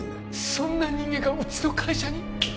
そんな人間がうちの会社に？